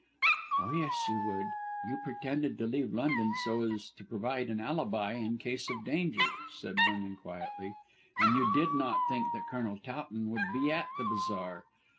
"Oh, yes, you would. You pretended to leave London so as to provide an alibi in case of danger," said Vernon quietly, "and you did not think that Colonel Towton would be at the bazaar.